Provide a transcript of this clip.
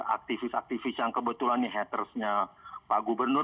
aktifis aktifis yang kebetulan nih hatersnya pak gubernur